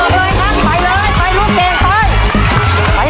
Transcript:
อ้อกเลยครับไปเลยไปลูกเก่งไป